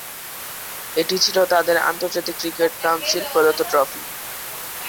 এটি ছিল তাদের আন্তর্জাতিক ক্রিকেট কাউন্সিল প্রদত্ত ট্রফি।